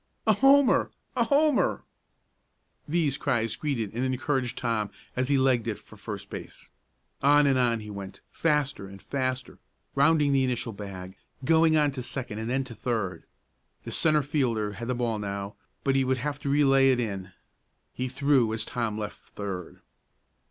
"A homer! A homer!" These cries greeted and encouraged Tom as he legged it for first base. On and on he went, faster and faster, rounding the initial bag, going on to second and then to third. The centre fielder had the ball now, but he would have to relay it in. He threw as Tom left third.